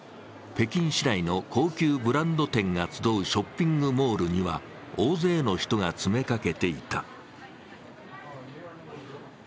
北京市内の高級ブランド店が集うショッピングモールには大勢の人が詰めかけていた。